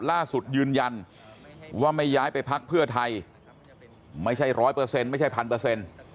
ยืนยันว่าไม่ย้ายไปพักเพื่อไทยไม่ใช่ร้อยเปอร์เซ็นต์ไม่ใช่พันเปอร์เซ็นต์